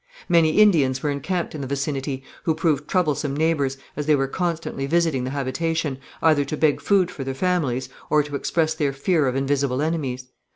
Many Indians were encamped in the vicinity, who proved troublesome neighbours, as they were constantly visiting the habitation, either to beg food for their families or to express their fear of invisible enemies.